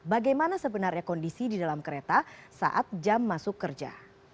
bagaimana sebenarnya kondisi di dalam kereta saat jam masuk kerja